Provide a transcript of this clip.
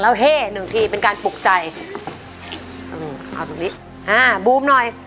แล้วเฮ่หนึ่งทีเป็นการปลุกใจอืมเอาตรงนี้อ่าบูมหน่อย